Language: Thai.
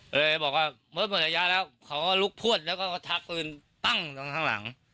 ก็เลยบอกว่าเมื่อเปิดระยะแล้วเขาก็ลุกพวดแล้วก็ทักปืนปั้งตรงข้างหลัง